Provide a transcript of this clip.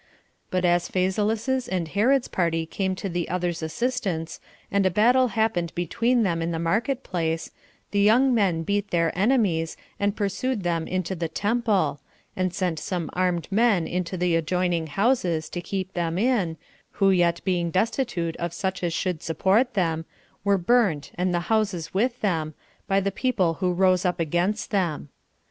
But as Phasaelus's and Herod's party came to the other's assistance, and a battle happened between them in the market place, the young men beat their enemies, and pursued them into the temple, and sent some armed men into the adjoining houses to keep them in, who yet being destitute of such as should support them, were burnt, and the houses with them, by the people who rose up against them.